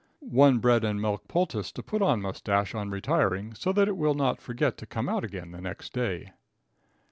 1 Bread and Milk Poultice to put on Moustache on retiring, so that it will not forget to come out again the next day.